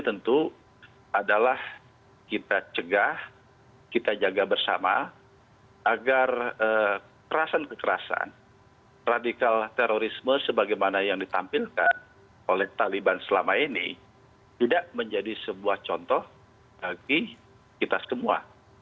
tentu adalah kita cegah kita jaga bersama agar kerasan kekerasan radikal terorisme sebagaimana yang ditampilkan oleh taliban selama ini tidak menjadi sebuah contoh bagi kita semua